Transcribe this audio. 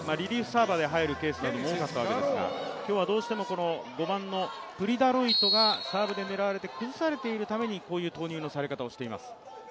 サーバーで入るケースも多かったわけですが今日はどうしても５番のプリ・ダロイトがサーブで狙われて崩されているために、こういう投入のされ方をしています。